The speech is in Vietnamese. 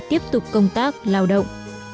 tiếp tục công tác lao động